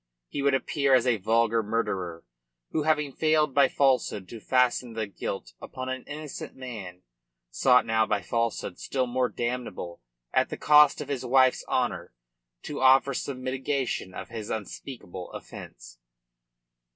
He would appear as a vulgar murderer who, having failed by falsehood to fasten the guilt upon an innocent man, sought now by falsehood still more damnable, at the cost of his wife's honour, to offer some mitigation of his unspeakable offence.